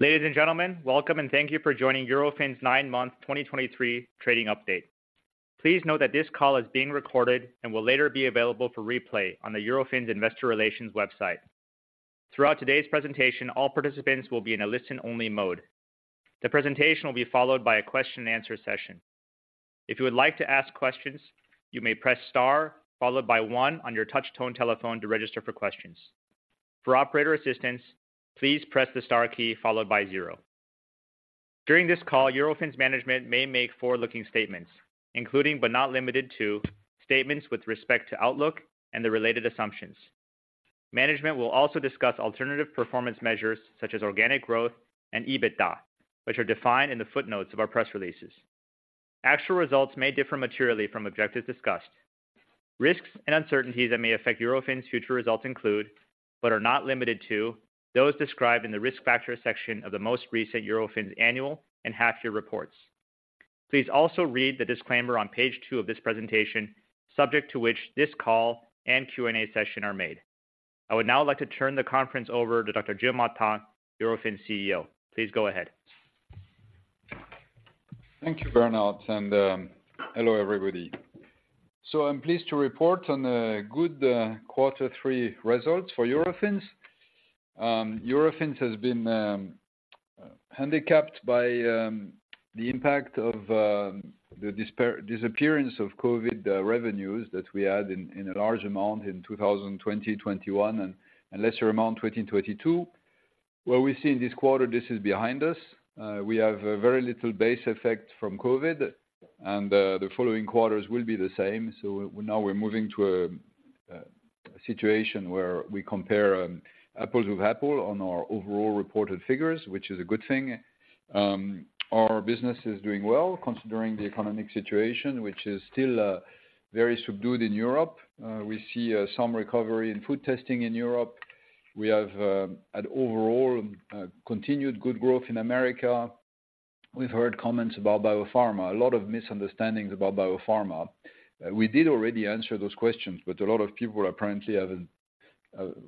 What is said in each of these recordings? Ladies and gentlemen, welcome and thank you for joining Eurofins' nine-month 2023 trading update. Please note that this call is being recorded and will later be available for replay on the Eurofins Investor Relations website. Throughout today's presentation, all participants will be in a listen-only mode. The presentation will be followed by a question-and-answer session. If you would like to ask questions, you may press star followed by one on your touchtone telephone to register for questions. For operator assistance, please press the star key followed by zero. During this call, Eurofins' management may make forward-looking statements, including, but not limited to, statements with respect to outlook and the related assumptions. Management will also discuss alternative performance measures such as organic growth and EBITDA, which are defined in the footnotes of our press releases. Actual results may differ materially from objectives discussed. Risks and uncertainties that may affect Eurofins' future results include, but are not limited to, those described in the Risk Factors section of the most recent Eurofins annual and half year reports. Please also read the disclaimer on page two of this presentation, subject to which this call and Q&A session are made. I would now like to turn the conference over to Dr. Gilles Martin, Eurofins' CEO. Please go ahead. Thank you, Bernard, and hello, everybody. I'm pleased to report on a good Q3 results for Eurofins. Eurofins has been handicapped by the impact of the disappearance of COVID revenues that we had in a large amount in 2020, 2021 and a lesser amount, 2022. What we see in this quarter, this is behind us. We have a very little base effect from COVID, and the following quarters will be the same. Now we're moving to a situation where we compare apples to apples on our overall reported figures, which is a good thing. Our business is doing well, considering the economic situation, which is still very subdued in Europe. We see some recovery in food testing in Europe. We have an overall, continued good growth in America. We've heard comments about biopharma. A lot of misunderstandings about biopharma. We did already answer those questions, but a lot of people apparently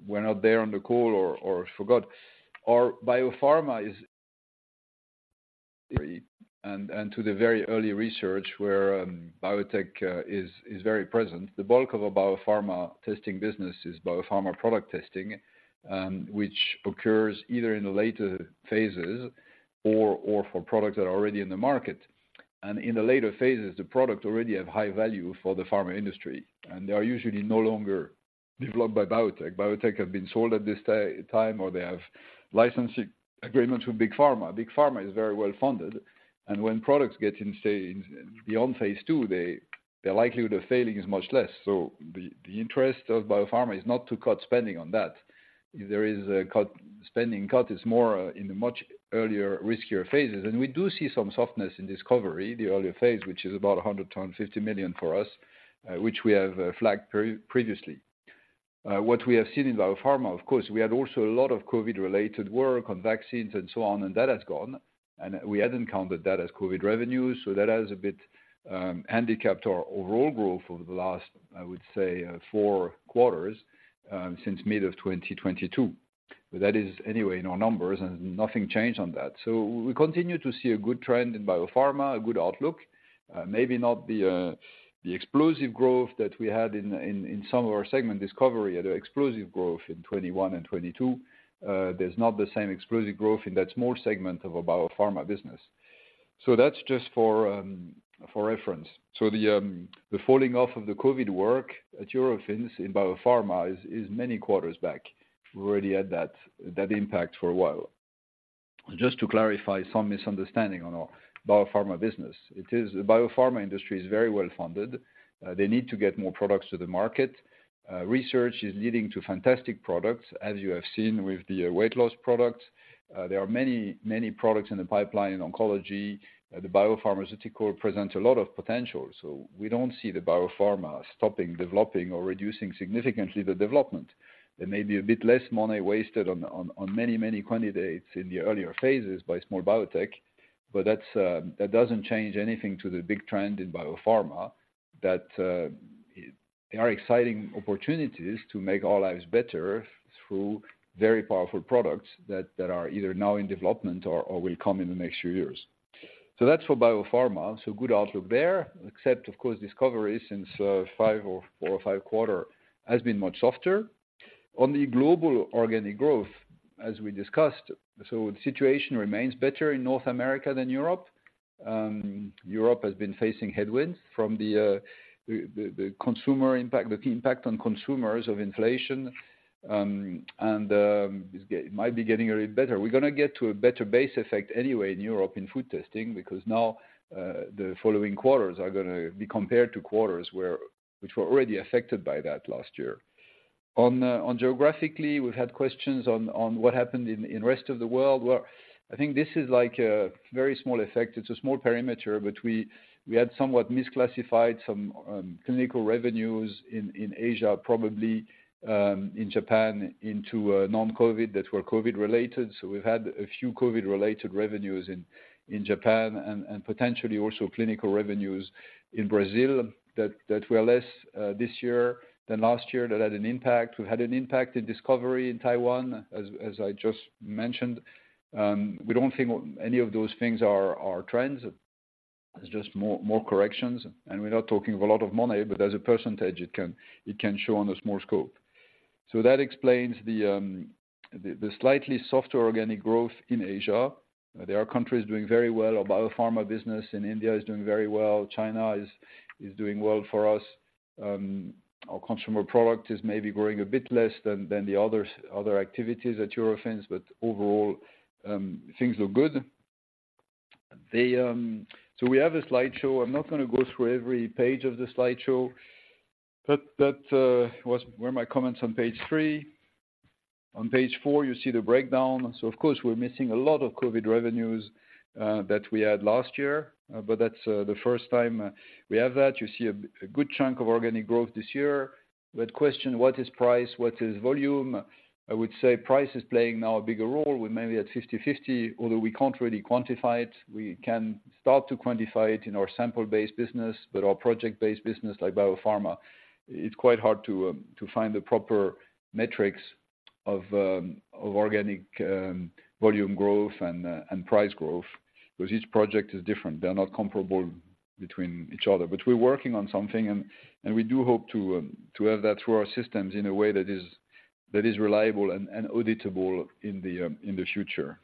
weren't there on the call or forgot. Our biopharma is and to the very early research where biotech is very present. The bulk of a biopharma testing business is BioPharma Product Testing, and which occurs either in the later phases or for products that are already in the market. In the later phases, the product already have high value for the pharma industry, and they are usually no longer developed by biotech. Biotech have been sold at this time, or they have licensing agreements with big pharma. Big pharma is very well funded, and when products get in, say, beyond Phase 2, they, the likelihood of failing is much less. So the interest of biopharma is not to cut spending on that. If there is a cut, spending cut, it's more in the much earlier riskier phases. And we do see some softness in Discovery, the earlier phase, which is about 150 million for us, which we have flagged previously. What we have seen in biopharma, of course, we had also a lot of COVID-related work on vaccines and so on, and that has gone, and we hadn't counted that as COVID revenues, so that has a bit handicapped our overall growth over the last, I would say, four quarters, since mid of 2022. But that is anyway in our numbers, and nothing changed on that. So we continue to see a good trend in biopharma, a good outlook, maybe not the, the explosive growth that we had in some of our segment Discovery, had an explosive growth in 2021 and 2022. There's not the same explosive growth in that small segment of a biopharma business. So that's just for, for reference. So the, the falling off of the COVID work at Eurofins in biopharma is many quarters back. We already had that, that impact for a while. Just to clarify some misunderstanding on our biopharma business. It is, the biopharma industry is very well funded. They need to get more products to the market. Research is leading to fantastic products, as you have seen with the, weight loss products. There are many, many products in the pipeline in oncology. The biopharmaceutical presents a lot of potential, so we don't see the biopharma stopping, developing or reducing significantly the development. There may be a bit less money wasted on, on, many, many candidates in the earlier phases by small biotech, but that's, that doesn't change anything to the big trend in biopharma, that, there are exciting opportunities to make our lives better through very powerful products that, that are either now in development or, or will come in the next few years. So that's for biopharma. So good outlook there, except of course, Discovery since, five or four or five quarter has been much softer. On the global organic growth, as we discussed, so the situation remains better in North America than Europe. Europe has been facing headwinds from the consumer impact, the impact on consumers of inflation, and it might be getting a little better. We're gonna get to a better base effect anyway in Europe in food testing, because now the following quarters are gonna be compared to quarters which were already affected by that last year. On geographically, we've had questions on what happened in Rest of the World, where I think this is like a very small effect. It's a small parameter, but we had somewhat misclassified some clinical revenues in Asia, probably in Japan, into non-COVID that were COVID-related. So we've had a few COVID-related revenues in Japan and potentially also clinical revenues in Brazil, that were less this year than last year that had an impact. We had an impact in Discovery in Taiwan, as I just mentioned. We don't think any of those things are trends. It's just more corrections, and we're not talking of a lot of money, but as a percentage, it can show on a small scope. So that explains the slightly softer organic growth in Asia. There are countries doing very well. Our biopharma business in India is doing very well. China is doing well for us. Our consumer product is maybe growing a bit less than the others, other activities at Eurofins, but overall, things look good. So we have a slideshow. I'm not gonna go through every page of the slideshow, but that was where my comments on page three. On page four, you see the breakdown. So of course, we're missing a lot of COVID revenues that we had last year, but that's the first time we have that. You see a good chunk of organic growth this year. But question, what is price? What is volume? I would say price is playing now a bigger role. We're maybe at 50/50, although we can't really quantify it. We can start to quantify it in our sample-based business, but our project-based business, like biopharma, it's quite hard to find the proper metrics of organic volume growth and price growth, because each project is different. They're not comparable between each other. But we're working on something, and we do hope to have that through our systems in a way that is reliable and auditable in the future.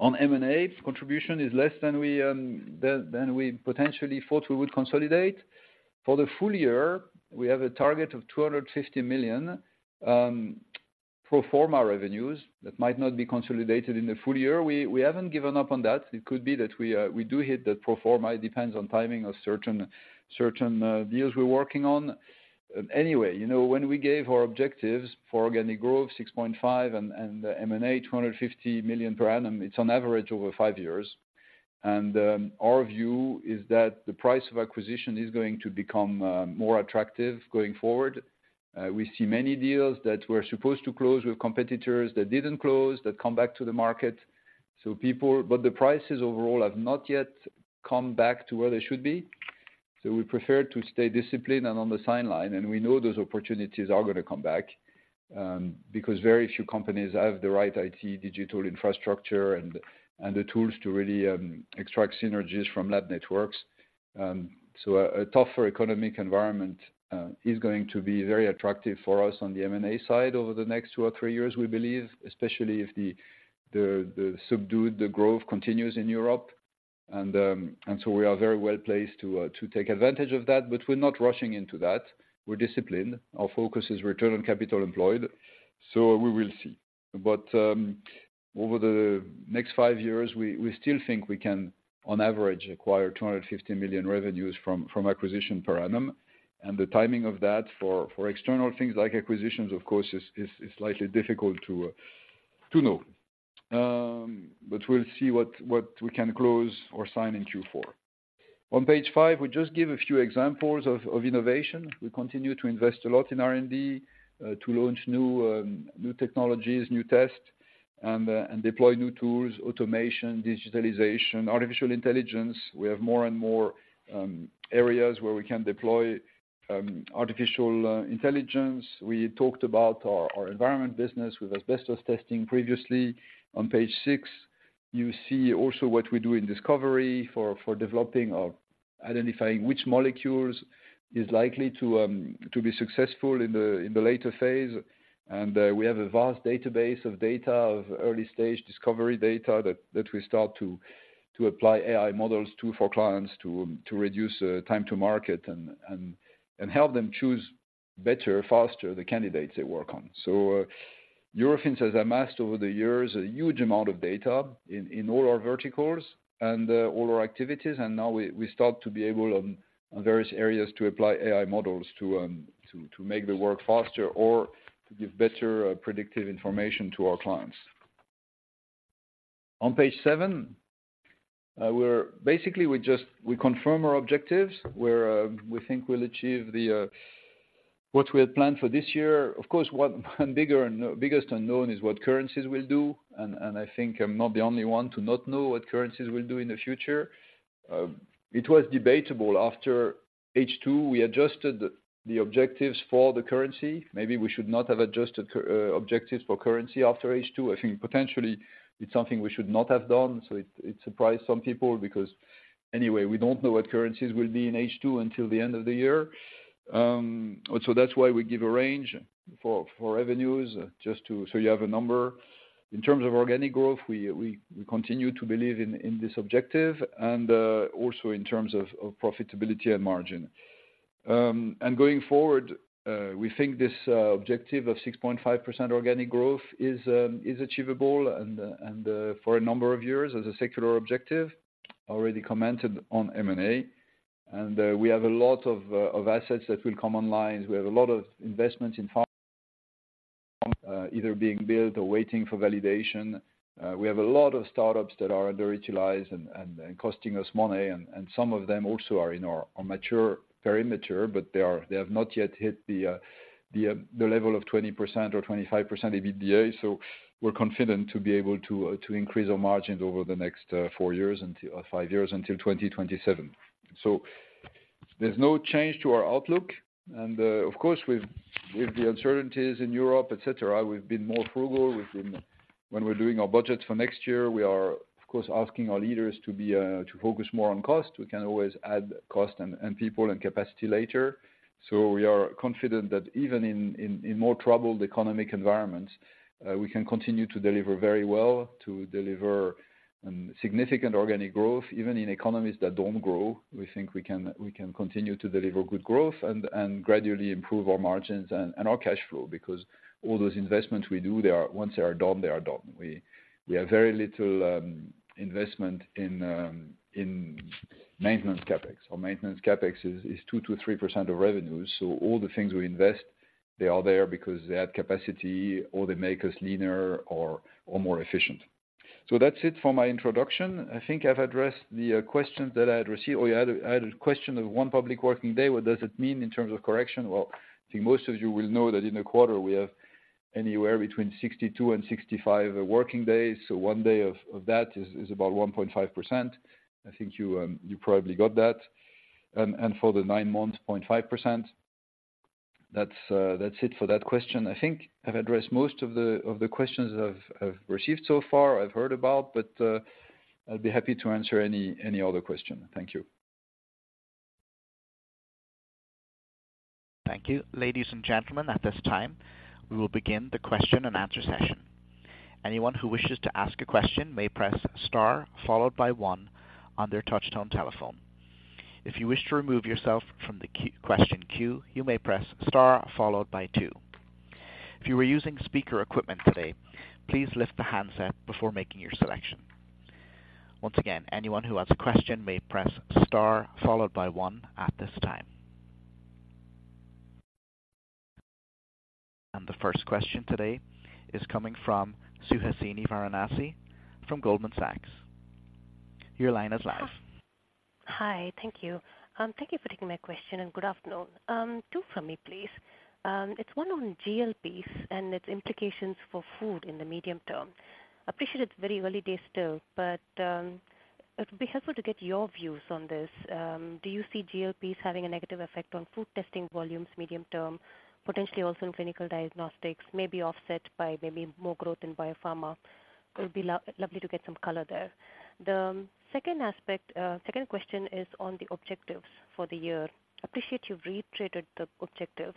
On M&A, contribution is less than we potentially thought we would consolidate. For the full year, we have a target of 250 million pro forma revenues that might not be consolidated in the full year. We haven't given up on that. It could be that we do hit that pro forma. It depends on timing of certain deals we're working on. Anyway, you know, when we gave our objectives for organic growth, 6.5%, and M&A, 250 million per annum, it's on average over five years. Our view is that the price of acquisition is going to become more attractive going forward. We see many deals that were supposed to close with competitors that didn't close, that come back to the market. So, but the prices overall have not yet come back to where they should be. So we prefer to stay disciplined and on the sideline, and we know those opportunities are gonna come back because very few companies have the right IT digital infrastructure and the tools to really extract synergies from lab networks. So a tougher economic environment is going to be very attractive for us on the M&A side over the next two or three years, we believe, especially if the subdued growth continues in Europe. We are very well placed to take advantage of that, but we're not rushing into that. We're disciplined. Our focus is return on capital employed, so we will see. Over the next five years, we still think we can, on average, acquire 250 million revenues from acquisition per annum, and the timing of that for external things like acquisitions, of course, is slightly difficult to know. We'll see what we can close or sign in Q4. On page five, we just give a few examples of innovation. We continue to invest a lot in R&D to launch new technologies, new tests, and deploy new tools, automation, digitalization, artificial intelligence. We have more and more areas where we can deploy artificial intelligence. We talked about our environment business with asbestos testing previously. On page six, you see also what we do in Discovery for developing or identifying which molecules is likely to be successful in the later phase. And we have a vast database of data of early-stage Discovery data that we start to apply AI models to, for clients to reduce time to market and help them choose better, faster, the candidates they work on. So Eurofins has amassed, over the years, a huge amount of data in all our verticals and all our activities, and now we start to be able in various areas to apply AI models to make the work faster or to give better predictive information to our clients. On page seven, we're basically. We just confirm our objectives, where we think we'll achieve what we had planned for this year. Of course, one bigger, biggest unknown is what currencies will do, and I think I'm not the only one to not know what currencies will do in the future. It was debatable after H2, we adjusted the objectives for the currency. Maybe we should not have adjusted objectives for currency after H2. I think potentially it's something we should not have done, so it surprised some people, because anyway, we don't know what currencies will be in H2 until the end of the year. So that's why we give a range for revenues, just to so you have a number. In terms of organic growth, we continue to believe in this objective, and also in terms of profitability and margin. And going forward, we think this objective of 6.5% organic growth is achievable, and for a number of years as a secular objective. Already commented on M&A, and we have a lot of assets that will come online. We have a lot of investments in either being built or waiting for validation. We have a lot of startups that are underutilized and costing us money, and some of them also are mature, very mature, but they have not yet hit the level of 20% or 25% EBITDA, so we're confident to be able to increase our margins over the next four years or five years, until 2027. So there's no change to our outlook, and of course, with the uncertainties in Europe, et cetera, we've been more frugal. We've been when we're doing our budget for next year, we are, of course, asking our leaders to focus more on cost. We can always add cost and people and capacity later. So we are confident that even in more troubled economic environments, we can continue to deliver very well, to deliver significant organic growth. Even in economies that don't grow, we think we can continue to deliver good growth and gradually improve our margins and our cash flow. Because all those investments we do, they are, once they are done, they are done. We have very little investment in maintenance CapEx. Our maintenance CapEx is 2%-3% of revenues. So all the things we invest, they are there because they add capacity, or they make us leaner or more efficient. So that's it for my introduction. I think I've addressed the questions that I had received. Oh, yeah, I had a question of one public working day. What does it mean in terms of correction? Well, I think most of you will know that in a quarter, we have anywhere between 62 and 65 working days, so one day of that is about 1.5%. I think you probably got that. And for the nine months, 0.5%. That's it for that question. I think I've addressed most of the questions I've received so far, I've heard about, but I'll be happy to answer any other question. Thank you. Thank you. Ladies and gentlemen, at this time, we will begin the question-and-answer session. Anyone who wishes to ask a question may press star followed by one on their touchtone telephone. If you wish to remove yourself from the question queue, you may press star followed by two. If you are using speaker equipment today, please lift the handset before making your selection. Once again, anyone who has a question may press star followed by one at this time. The first question today is coming from Suhasini Varanasi from Goldman Sachs. Your line is live. Hi. Thank you. Thank you for taking my question, and good afternoon. Two from me, please. It's one on GLPs and its implications for food in the medium term. Appreciate it's very early days still, but it would be helpful to get your views on this. Do you see GLPs having a negative effect on food testing volumes, medium term, potentially also in clinical diagnostics, maybe offset by maybe more growth in biopharma? It would be lovely to get some color there. The second aspect, second question is on the objectives for the year. Appreciate you've reiterated the objectives.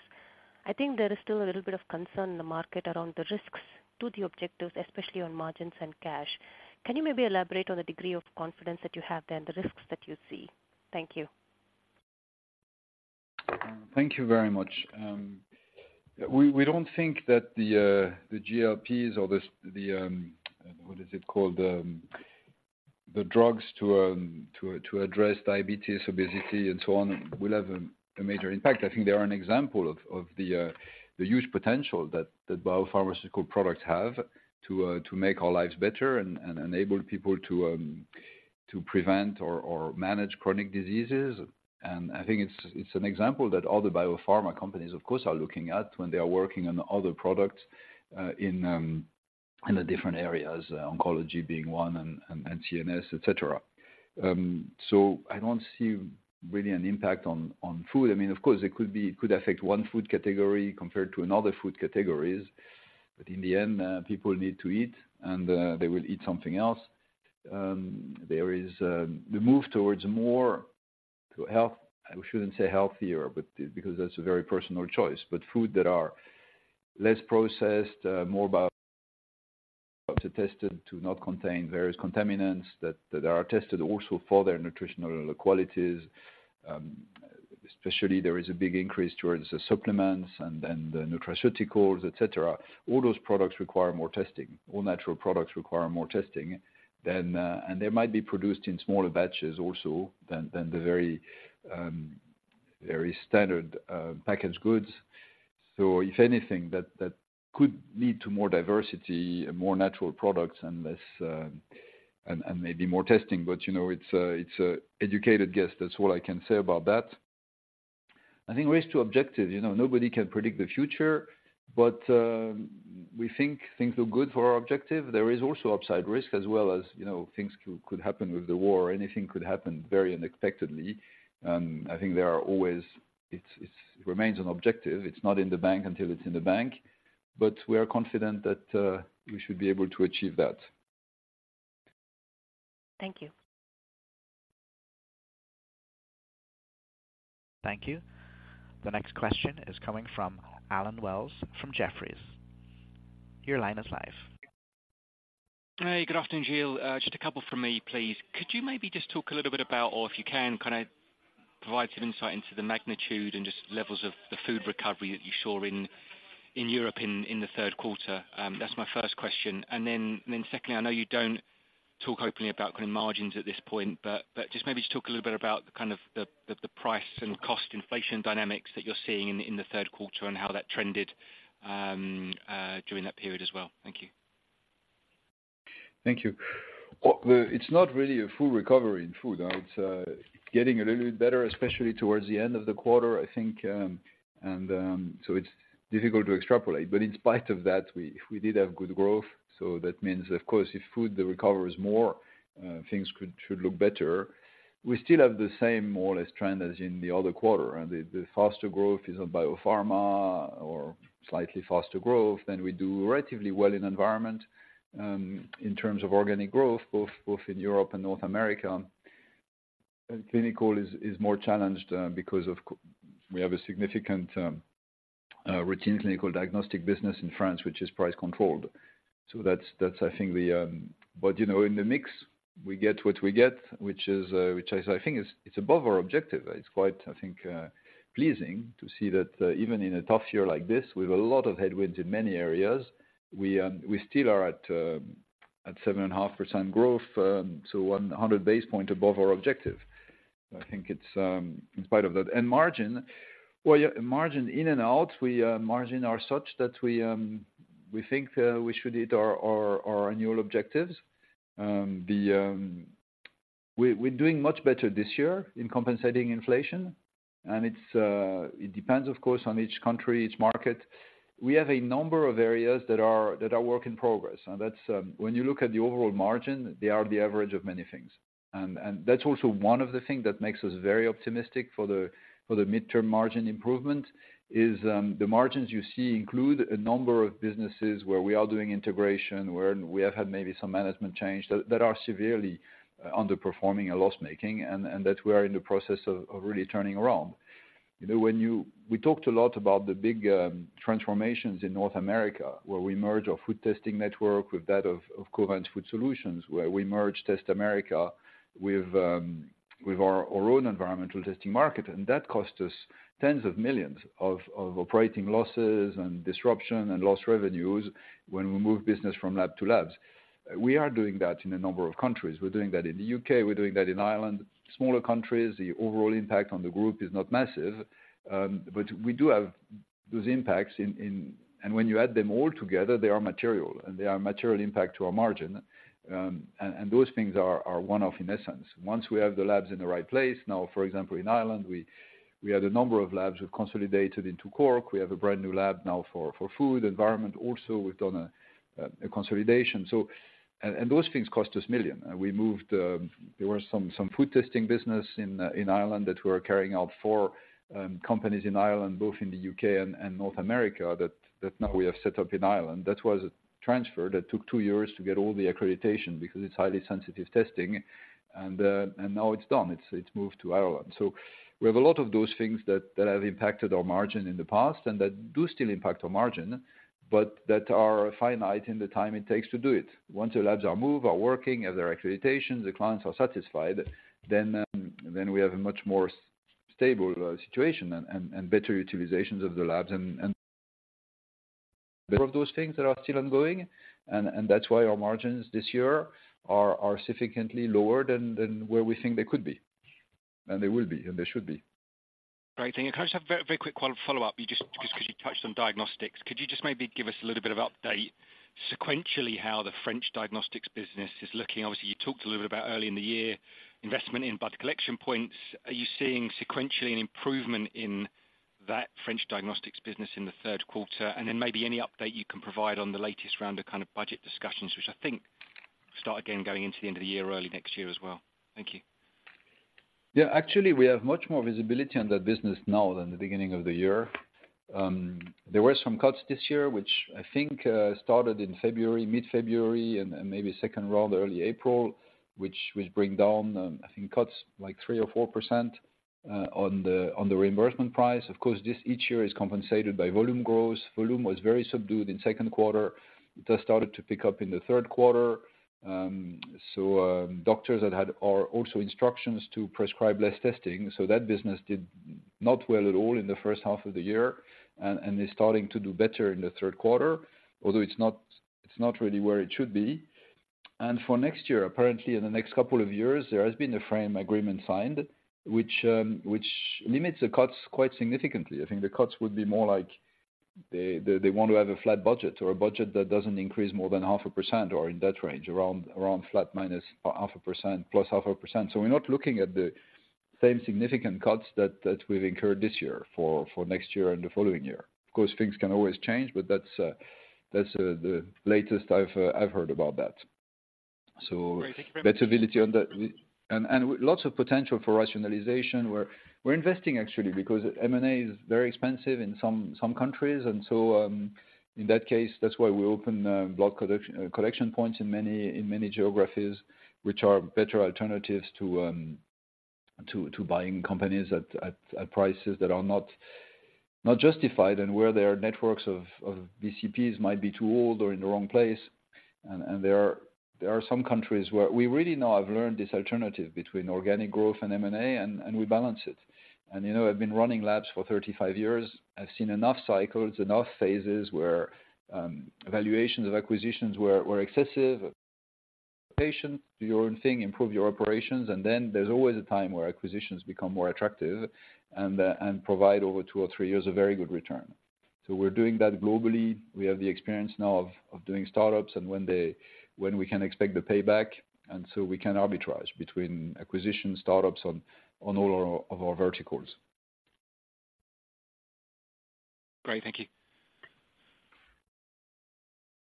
I think there is still a little bit of concern in the market around the risks to the objectives, especially on margins and cash. Can you maybe elaborate on the degree of confidence that you have there and the risks that you see? Thank you. Thank you very much. We don't think that the GLPs or the drugs to address diabetes, obesity, and so on, will have a major impact. I think they are an example of the huge potential that biopharmaceutical products have to make our lives better and enable people to prevent or manage chronic diseases. And I think it's an example that all the biopharma companies, of course, are looking at when they are working on other products in the different areas, oncology being one, and CNS, et cetera. So I don't see really an impact on food. I mean, of course, it could be, it could affect one food category compared to another food categories, but in the end, people need to eat, and, they will eat something else. There is, the move towards more to health, I shouldn't say healthier, but, because that's a very personal choice, but food that are less processed, more bio-tested to not contain various contaminants, that, that are tested also for their nutritional qualities. Especially there is a big increase towards the supplements and then the nutraceuticals, et cetera. All those products require more testing. All natural products require more testing than, and they might be produced in smaller batches also than, than the very, very standard, packaged goods. So if anything, that, that could lead to more diversity and more natural products and less, and, and maybe more testing. But, you know, it's an educated guess. That's all I can say about that. I think as to objective, you know, nobody can predict the future, but we think things look good for our objective. There is also upside risk as well as, you know, things could happen with the war. Anything could happen very unexpectedly, and I think there are always, it remains an objective. It's not in the bank until it's in the bank, but we are confident that we should be able to achieve that. Thank you. Thank you. The next question is coming from Allen Wells from Jefferies. Your line is live. Hey, good afternoon, Gilles. Just a couple from me, please. Could you maybe just talk a little bit about, or if you can, kind of provide some insight into the magnitude and just levels of the food recovery that you saw in Europe in the Q3? That's my first question. And then secondly, I know you don't talk openly about kind of margins at this point, but just maybe just talk a little bit about the kind of the price and cost inflation dynamics that you're seeing in the Q3 and how that trended during that period as well. Thank you. Thank you. Well, it's not really a full recovery in food, it's getting a little bit better, especially towards the end of the quarter, I think, and so it's difficult to extrapolate. But in spite of that, we did have good growth, so that means, of course, if food, the recovery is more, things should look better. We still have the same, more or less, trend as in the other quarter, and the faster growth is on biopharma or slightly faster growth, then we do relatively well in environment, in terms of organic growth, both in Europe and North America. Clinical is more challenged, because we have a significant routine clinical diagnostic business in France, which is price controlled. So that's, I think, the, you know, in the mix, we get what we get, which is, I think, it's above our objective. It's quite, I think, pleasing to see that, even in a tough year like this, with a lot of headwinds in many areas, we still are at 7.5% growth, so 100 basis points above our objective. I think it's in spite of that. And margin, well, yeah, margin in and out, we margin are such that we think we should hit our annual objectives. We're doing much better this year in compensating inflation, and it depends, of course, on each country, each market. We have a number of areas that are work in progress, and that's when you look at the overall margin, they are the average of many things. And that's also one of the things that makes us very optimistic for the midterm margin improvement, is the margins you see include a number of businesses where we are doing integration, where we have had maybe some management change, that are severely underperforming and loss-making, and that we are in the process of really turning around. You know, we talked a lot about the big transformations in North America, where we merge our food testing network with that of Covance Food Solutions, where we merge TestAmerica with our own environmental testing market. That cost us tens of millions of operating losses and disruption and lost revenues when we move business from lab to labs. We are doing that in a number of countries. We're doing that in the U.K., we're doing that in Ireland. Smaller countries, the overall impact on the group is not massive, you know, but we do have those impacts in, in, and when you add them all together, they are material, and they are a material impact to our margin. Those things are, are one-off in essence. Once we have the labs in the right place, now, for example, in Ireland, we had a number of labs we've consolidated into Cork. We have a brand-new lab now for food environment. Also, we've done a consolidation. Those things cost us 1 million. And we moved, there were some, some food testing business in, in Ireland that we were carrying out for, companies in Ireland, both in the U.K. and, and North America, that, that now we have set up in Ireland. That was a transfer that took two years to get all the accreditation, because it's highly sensitive testing, and, and now it's done, it's, it's moved to Ireland. So we have a lot of those things that, that have impacted our margin in the past and that do still impact our margin, but that are finite in the time it takes to do it. Once the labs are moved, are working, have their accreditations, the clients are satisfied, then, then we have a much more stable, situation and, and, and better utilizations of the labs. Of those things that are still ongoing, that's why our margins this year are significantly lower than where we think they could be, and they will be, and they should be. Great. Thank you. Can I just have a very, very quick follow-up? You just 'cause you touched on diagnostics. Could you just maybe give us a little bit of update sequentially how the French diagnostics business is looking? Obviously, you talked a little bit about early in the year, investment in blood collection points. Are you seeing sequentially an improvement in that French diagnostics business in the Q3? And then maybe any update you can provide on the latest round of kind of budget discussions, which I think start again going into the end of the year, early next year as well. Thank you. Yeah, actually, we have much more visibility on that business now than the beginning of the year. There were some cuts this year, which I think started in February, mid-February, and maybe second round, early April, which bring down, I think cuts like 3% or 4%, on the reimbursement price. Of course, this each year is compensated by volume growth. Volume was very subdued in Q2. It just started to pick up in the Q3. So, doctors had had, are also instructions to prescribe less testing, so that business did not well at all in the first half of the year, and is starting to do better in the Q3, although it's not, it's not really where it should be. For next year, apparently, in the next couple of years, there has been a frame agreement signed, which limits the cuts quite significantly. I think the cuts would be more like they want to have a flat budget or a budget that doesn't increase more than 0.5% or in that range, around flat minus 0.5%, plus 0.5%. So we're not looking at the same significant cuts that we've incurred this year for next year and the following year. Of course, things can always change, but that's the latest I've heard about that. So- Great. Thank you very much. Better visibility on the, and lots of potential for rationalization, we're investing actually, because M&A is very expensive in some countries. And so, in that case, that's why we open blood collection points in many geographies, which are better alternatives to buying companies at prices that are not justified, and where there are networks of BCPs might be too old or in the wrong place. And there are some countries where we really now have learned this alternative between organic growth and M&A, and we balance it. And, you know, I've been running labs for 35 years. I've seen enough cycles, enough phases, where valuations of acquisitions were excessive. Patiently, do your own thing, improve your operations, and then there's always a time where acquisitions become more attractive and provide over two or three years a very good return. So we're doing that globally. We have the experience now of doing startups, and when we can expect the payback, and so we can arbitrage between acquisition startups on all our verticals. Great, thank you.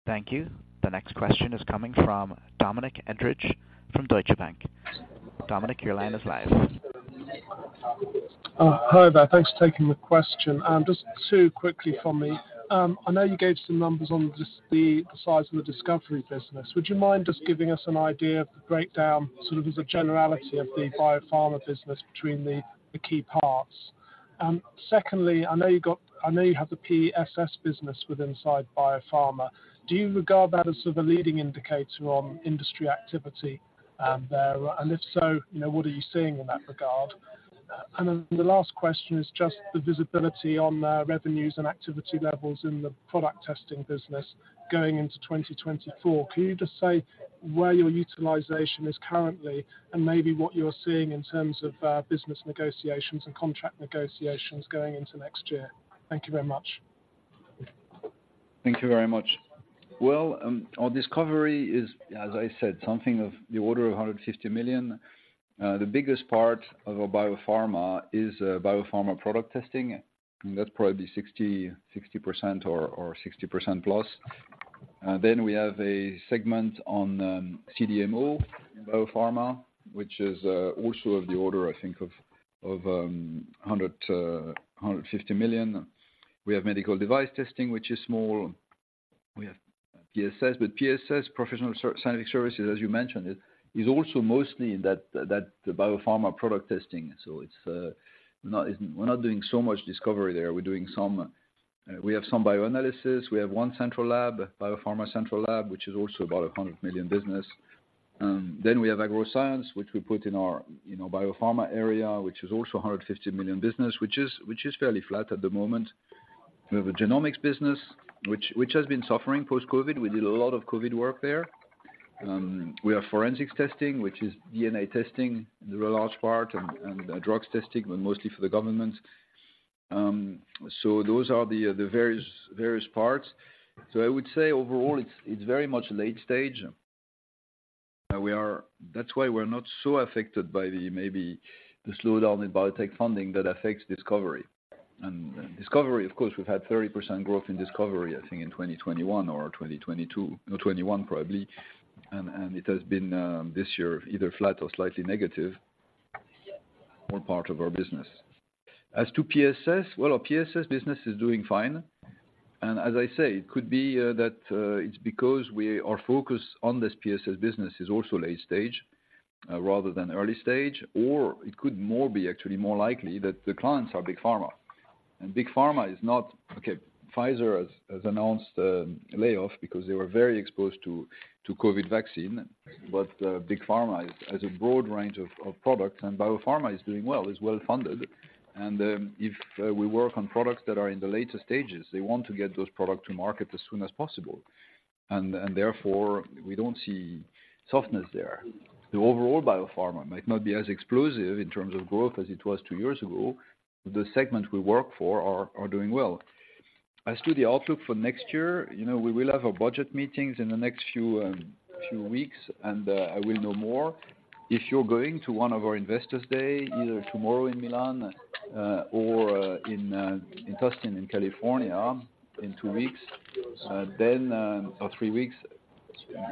Thank you. The next question is coming from Dominic Edridge, from Deutsche Bank. Dominic, your line is live. Hi there. Thanks for taking the question. And just two quickly from me. I know you gave some numbers on just the size of the Discovery business. Would you mind just giving us an idea of the breakdown, sort of as a generality of the biopharma business between the key parts? And secondly, I know you have the PSS business within biopharma. Do you regard that as sort of a leading indicator on industry activity there? And if so, you know, what are you seeing in that regard? And then the last question is just the visibility on revenues and activity levels in the product testing business going into 2024. Can you just say where your utilization is currently and maybe what you're seeing in terms of business negotiations and contract negotiations going into next year? Thank you very much. Thank you very much. Well, our Discovery is, as I said, something of the order of 150 million. The biggest part of our biopharma is BioPharma Product Testing. That's probably 60% or 60%+. Then we have a segment on CDMO in biopharma, which is also of the order, I think, of 150 million. We have medical device testing, which is small. We have PSS, but PSS, Professional Scientific Services, as you mentioned, is also mostly in that BioPharma Product Testing. So it's not, we're not doing so much discovery there. We're doing some, we have some bioanalysis. We have one central lab, BioPharma Central Lab, which is also about a 100 million business. Then we have Agroscience, which we put in our, you know, biopharma area, which is also 150 million business, which is, which is fairly flat at the moment. We have a Genomics business, which, which has been suffering post-COVID. We did a lot of COVID work there. We have Forensics testing, which is DNA testing, in the large part, and, and drugs testing, but mostly for the government. So those are the, the various, various parts. So I would say overall, it's, it's very much late stage. We are. That's why we're not so affected by the, maybe the slowdown in biotech funding that affects Discovery. And Discovery, of course, we've had 30% growth in Discovery, I think, in 2021 or 2022, or 2021, probably. And, and it has been, this year, either flat or slightly negative, or part of our business. As to PSS, well, our PSS business is doing fine. And as I say, it could be, that, it's because we are focused on this PSS business is also late stage, rather than early stage, or it could more be actually more likely that the clients are big pharma. And big pharma is not, okay, Pfizer has, has announced, layoff because they were very exposed to, to COVID vaccine. But, big pharma has a broad range of, of products, and biopharma is doing well, is well funded. And, if, we work on products that are in the later stages, they want to get those products to market as soon as possible, and, and therefore, we don't see softness there. The overall biopharma might not be as explosive in terms of growth as it was two years ago, the segments we work for are doing well. As to the outlook for next year, you know, we will have our budget meetings in the next few weeks, and I will know more. If you're going to one of our investor days, either tomorrow in Milan or in Tustin, in California, in two weeks or three weeks,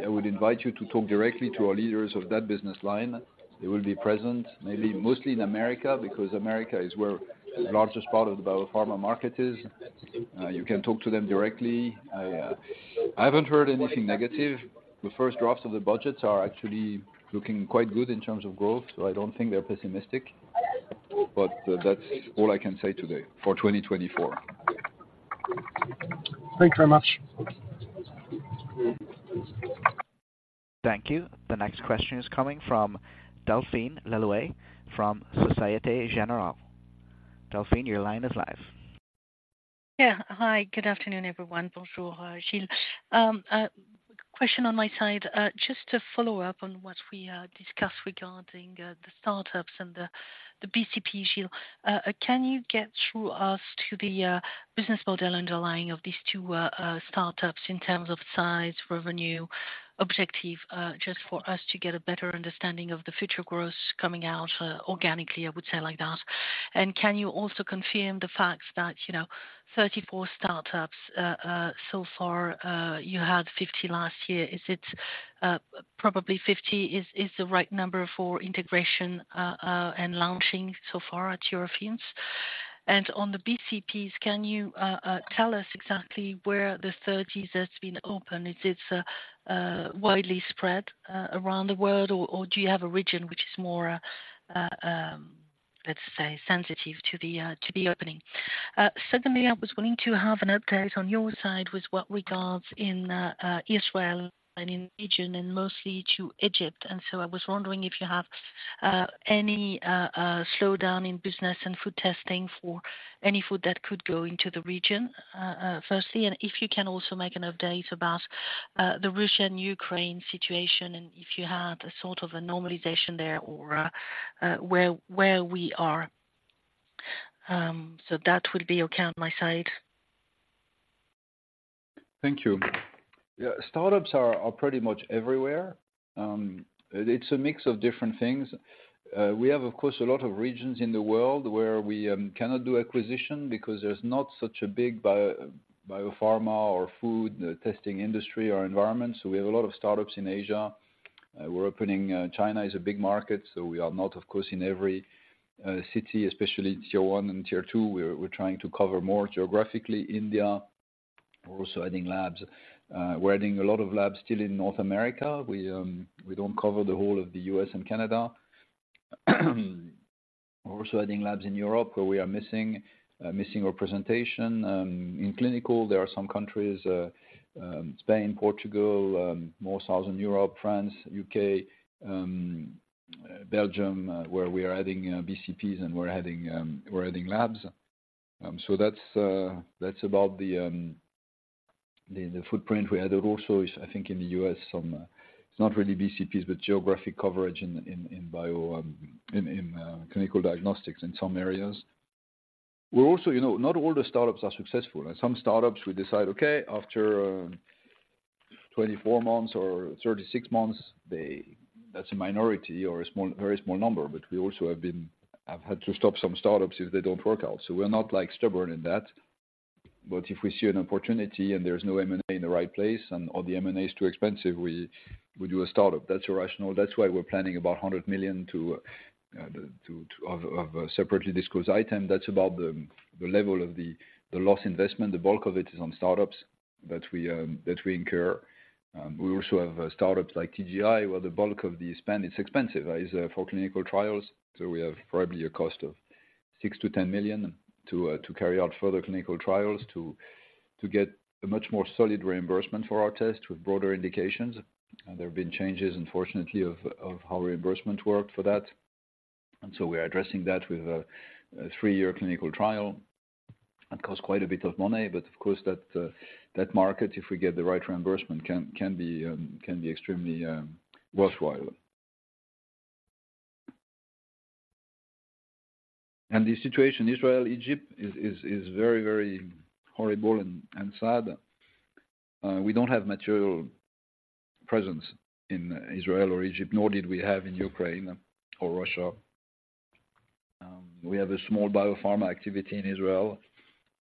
I would invite you to talk directly to our leaders of that business line. They will be present, maybe mostly in America, because America is where the largest part of the biopharma market is. You can talk to them directly. I haven't heard anything negative. The first drafts of the budgets are actually looking quite good in terms of growth, so I don't think they're pessimistic. That's all I can say today for 2024. Thanks very much. Thank you. The next question is coming from Delphine Le Louët, from Société Générale. Delphine, your line is live. Yeah. Hi, good afternoon, everyone. Bonjour, Gilles. Question on my side. Just to follow-up on what we discussed regarding the startups and the BCP issue. Can you get through us to the business model underlying of these two startups in terms of size, revenue, objective, just for us to get a better understanding of the future growth coming out organically, I would say like that. And can you also confirm the fact that, you know, 34 startups so far, you had 50 last year. Is it probably 50 is the right number for integration and launching so far at Eurofins? And on the BCPs, can you tell us exactly where the 30s has been opened? Is it widely spread around the world, or do you have a region which is more, let's say, sensitive to the opening? Secondly, I was going to have an update on your side with what regards in Israel and in region, and mostly to Egypt. And so I was wondering if you have any slowdown in business and food testing for any food that could go into the region, firstly. And if you can also make an update about the Russia and Ukraine situation, and if you had a sort of a normalization there or where we are. So that would be okay on my side. Thank you. Yeah, startups are pretty much everywhere. It's a mix of different things. We have, of course, a lot of regions in the world where we cannot do acquisition because there's not such a big biopharma or food testing industry or environment. So we have a lot of startups in Asia. We're opening, China is a big market, so we are not, of course, in every city, especially tier one and tier two. We're trying to cover more geographically. India, we're also adding labs. We're adding a lot of labs still in North America. We don't cover the whole of the U.S. and Canada. We're also adding labs in Europe, where we are missing representation. In clinical, there are some countries, Spain, Portugal, more southern Europe, France, U.K., Belgium, where we are adding BCPs, and we're adding labs. So that's about the footprint. We added also, I think in the U.S., some, it's not really BCPs, but geographic coverage in clinical diagnostics in some areas. We're also, you know, not all the startups are successful, and some startups we decide, okay, after 24 months or 36 months, they... That's a minority or a small, very small number, but we also have had to stop some startups if they don't work out. So we're not, like, stubborn in that. But if we see an opportunity and there's no M&A in the right place and, or the M&A is too expensive, we do a startup. That's rational. That's why we're planning about 100 million of separately disclosed item. That's about the level of the loss investment. The bulk of it is on startups that we incur. We also have startups like TGI, where the bulk of the spend, it's expensive, is for clinical trials. So we have probably a cost of 6 million-10 million to carry out further clinical trials to get a much more solid reimbursement for our test with broader indications. And there have been changes, unfortunately, of how reimbursement worked for that. And so we are addressing that with a three-year clinical trial. It costs quite a bit of money, but of course, that market, if we get the right reimbursement, can be extremely worthwhile. The situation, Israel, Egypt is very, very horrible and sad. We don't have material presence in Israel or Egypt, nor did we have in Ukraine or Russia. We have a small biopharma activity in Israel,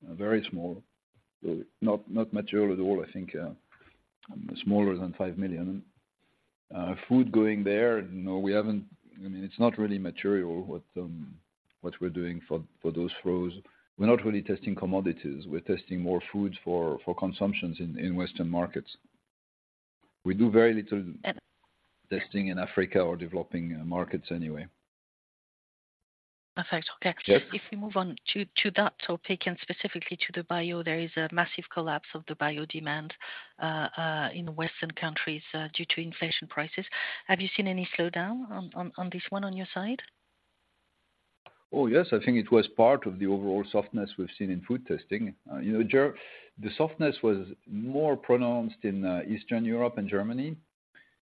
very small, not material at all, I think, smaller than 5 million. Food going there, no, we haven't. I mean, it's not really material what we're doing for those flows. We're not really testing commodities. We're testing more foods for consumptions in Western markets. We do very little testing in Africa or developing markets anyway. Perfect. Okay. If we move on to that topic and specifically to the bio, there is a massive collapse of the bio demand in Western countries due to inflation prices. Have you seen any slowdown on this one on your side? Oh, yes. I think it was part of the overall softness we've seen in food testing. You know, the softness was more pronounced in Eastern Europe and Germany,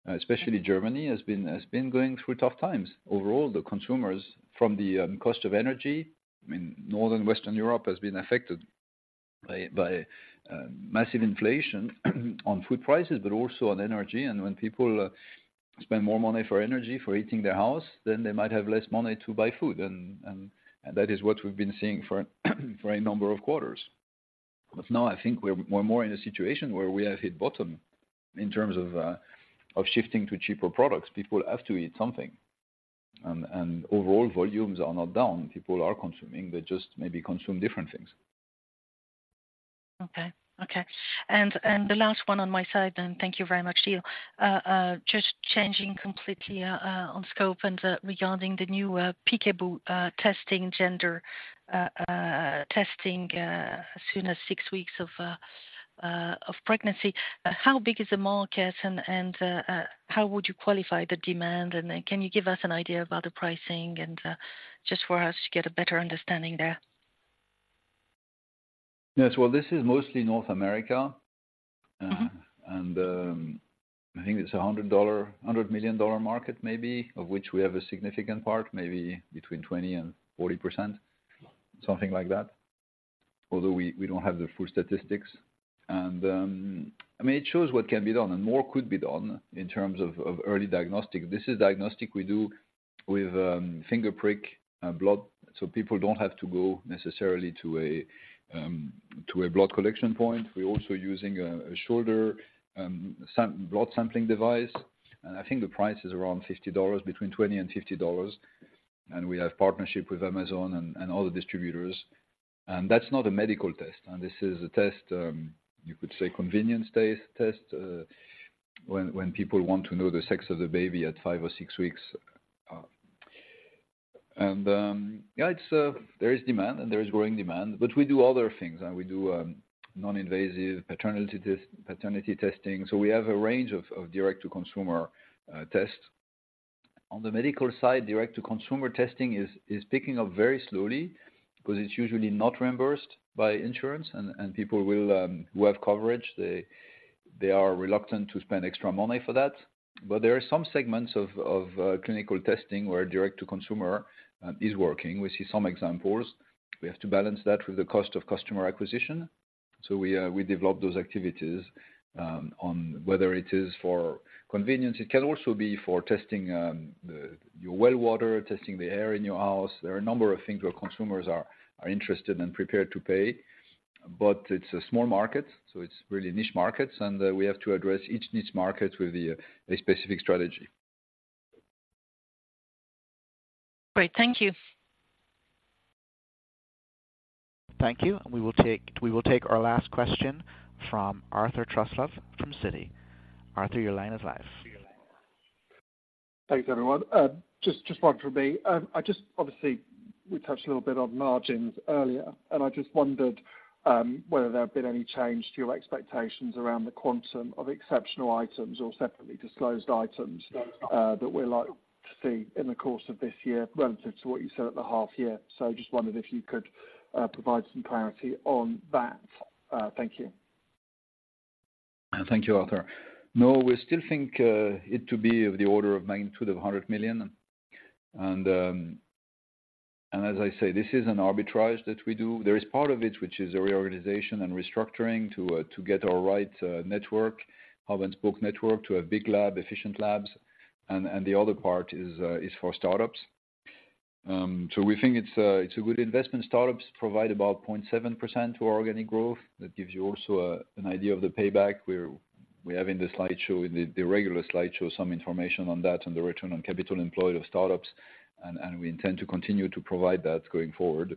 especially Germany, has been going through tough times. Overall, the consumers from the cost of energy, I mean, Northern Western Europe has been affected by massive inflation on food prices, but also on energy. And when people spend more money for energy, for heating their house, then they might have less money to buy food. And that is what we've been seeing for a number of quarters. But now I think we're more in a situation where we have hit bottom in terms of shifting to cheaper products. People have to eat something, and overall volumes are not down. People are consuming. They just maybe consume different things. Okay. Okay. And the last one on my side, and thank you very much, Gilles. Just changing completely on scope and regarding the new Peekaboo testing, gender testing as soon as six weeks of pregnancy. How big is the market and how would you qualify the demand? And then can you give us an idea about the pricing and just for us to get a better understanding there? Yes. Well, this is mostly North America. I think it's a $100 million market, maybe, of which we have a significant part, maybe between 20% and 40%, something like that. Although we don't have the full statistics. I mean, it shows what can be done, and more could be done in terms of early diagnostic. This is diagnostic we do with finger prick blood, so people don't have to go necessarily to a blood collection point. We're also using a shorter blood sampling device, and I think the price is around $50, between $20 and $50. We have partnership with Amazon and other distributors. That's not a medical test. This is a test, you could say convenience test, when people want to know the sex of the baby at five or six weeks. Yeah, it's, there is demand, and there is growing demand, but we do other things, and we do non-invasive paternity testing. We have a range of direct-to-consumer tests. On the medical side, direct-to-consumer testing is picking up very slowly because it's usually not reimbursed by insurance, and people who have coverage, they are reluctant to spend extra money for that. There are some segments of clinical testing where direct-to-consumer is working. We see some examples. We have to balance that with the cost of customer acquisition. We develop those activities on whether it is for convenience. It can also be for testing your well water, testing the air in your house. There are a number of things where consumers are interested and prepared to pay, but it's a small market, so it's really niche markets, and we have to address each niche market with a specific strategy. Great. Thank you. Thank you. We will take our last question from Arthur Truslove from Citi. Arthur, your line is live. Thanks, everyone. Just, just one from me. I just, obviously, we touched a little bit on margins earlier, and I just wondered whether there had been any change to your expectations around the quantum of exceptional items or separately disclosed items that we're likely to see in the course of this year relative to what you said at the half year. So just wondered if you could provide some clarity on that. Thank you. Thank you, Arthur. No, we still think it to be of the order of magnitude of 100 million. And as I say, this is an arbitrage that we do. There is part of it, which is a reorganization and restructuring to get our right network, hub-and-spoke network, to have big lab, efficient labs. And the other part is for startups. So we think it's a good investment. Startups provide about 0.7% to our organic growth. That gives you also an idea of the payback. We have in the slideshow, in the regular slideshow, some information on that and the return on capital employed of startups, and we intend to continue to provide that going forward.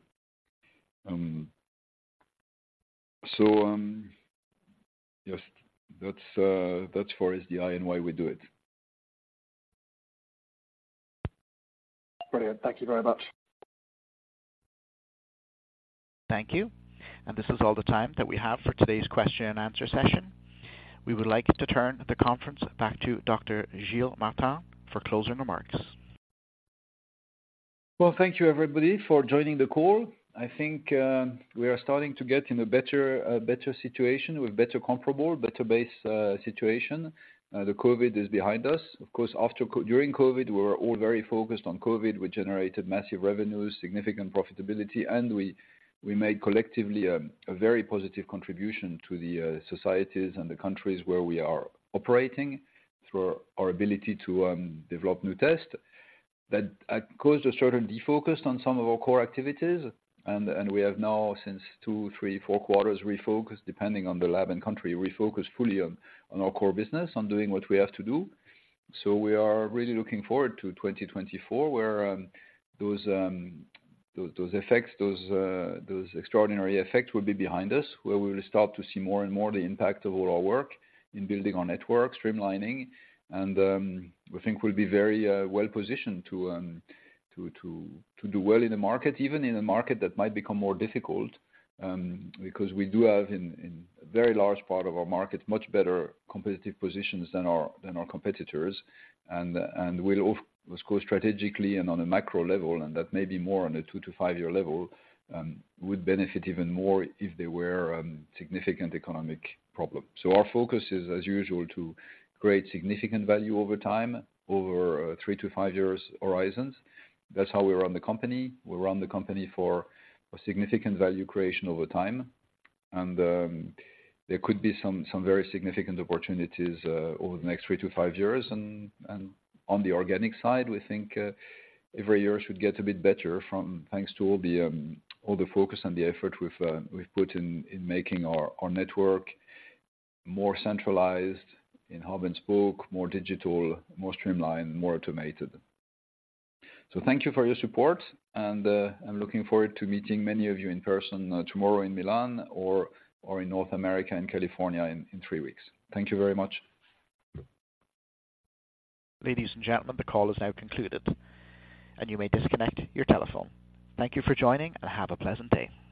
So just that's for SDI and why we do it. Brilliant. Thank you very much. Thank you. This is all the time that we have for today's question and answer session. We would like to turn the conference back to Dr. Gilles Martin for closing remarks. Well, thank you, everybody, for joining the call. I think, we are starting to get in a better, a better situation, with better comparable, better base, situation. The COVID is behind us. Of course, after during COVID, we were all very focused on COVID, which generated massive revenues, significant profitability, and we made collectively a very positive contribution to the societies and the countries where we are operating through our ability to develop new tests. That caused a certain defocus on some of our core activities, and we have now, since two, three, four quarters, refocused, depending on the lab and country, refocused fully on our core business, on doing what we have to do. So we are really looking forward to 2024, where those extraordinary effects will be behind us, where we will start to see more and more the impact of all our work in building our network, streamlining. And we think we'll be very well positioned to do well in the market, even in a market that might become more difficult, because we do have in a very large part of our market, much better competitive positions than our competitors. And we'll of course, strategically and on a macro level, and that may be more on a two to five-year level, would benefit even more if there were significant economic problems. So our focus is, as usual, to create significant value over time, over three to five years horizons. That's how we run the company. We run the company for a significant value creation over time, and there could be some very significant opportunities over the next three to five years. And on the organic side, we think every year should get a bit better thanks to all the focus and the effort we've put in making our network more centralized in hub and spoke, more digital, more streamlined, more automated. So thank you for your support, and I'm looking forward to meeting many of you in person tomorrow in Milan or in North America and California in three weeks. Thank you very much. Ladies and gentlemen, the call is now concluded, and you may disconnect your telephone. Thank you for joining, and have a pleasant day.